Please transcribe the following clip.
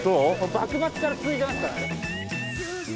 幕末から続いてますからね。